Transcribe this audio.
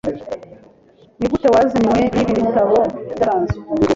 Nigute wazanywe nibi bitabo bidasanzwe?